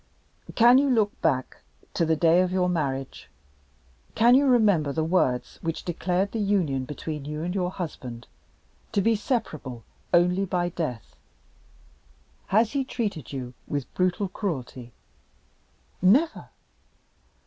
"Can you look back to the day of your marriage? Can you remember the words which declared the union between you and your husband to be separable only by death? Has he treated you with brutal cruelty?" "Never!"